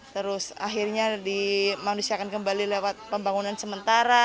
terus akhirnya manusia akan kembali lewat pembangunan sementara